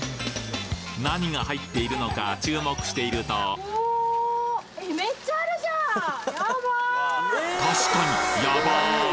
何が入っているのか注目していると確かにヤバ！